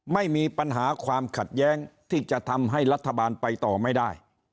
ไม่มีปัญหาความขัดแย้งที่จะทำให้รัฐบาลไปต่อไม่ได้